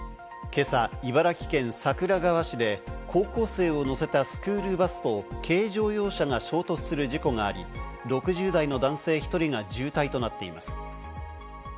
今朝、茨城県桜川市で高校生を乗せたスクールバスと軽乗用車が衝突する事故があり、６０代の男性１人が重体となっています。